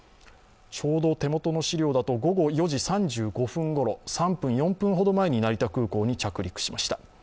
ちょうど手元の資料だと午後４時３４分ごろ、成田空港に着陸しました。